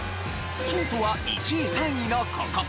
ヒントは１位３位のここ。